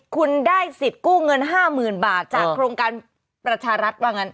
คุณได้สิทธิ์กู้เงิน๕๐๐๐บาทจากโครงการประชารัฐว่างั้น